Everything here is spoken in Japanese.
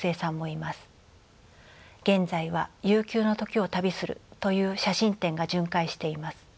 現在は「悠久の時を旅する」という写真展が巡回しています。